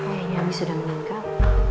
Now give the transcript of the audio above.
ayahnya abi sudah meninggal